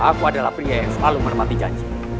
aku adalah pria yang selalu menghormati janji